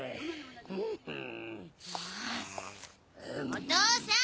お父さん！